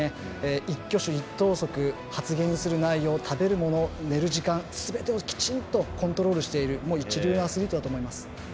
一挙手一投足、発言する内容食べるもの、寝る時間すべてをきちんとコントロールしている一流のアスリートだと思います。